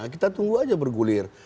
kita tunggu aja bergulir